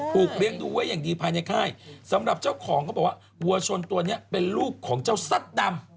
เลี้ยงดูไว้อย่างดีภายในค่ายสำหรับเจ้าของเขาบอกว่าวัวชนตัวนี้เป็นลูกของเจ้าซัดดำ